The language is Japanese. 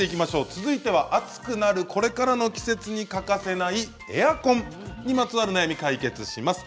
続いては暑くなるこれからの季節に欠かせないエアコンにまつわる悩み解決します。